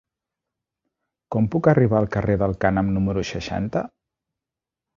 Com puc arribar al carrer del Cànem número seixanta?